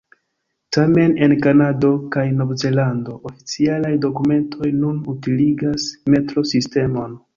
Tamen en Kanado kaj Novzelando, oficialaj dokumentoj nun utiligas metro-sistemon.